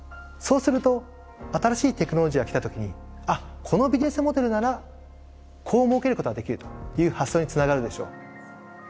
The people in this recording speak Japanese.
そうすると新しいテクノロジーが来た時にあっこのビジネスモデルならこうもうけることができるという発想につながるでしょう。